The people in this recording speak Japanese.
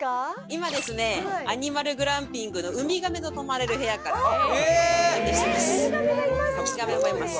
今ですねアニマルグランピングのウミガメと泊まれる部屋からウミガメがいます？